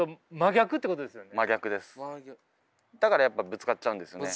だからやっぱぶつかっちゃうんですね。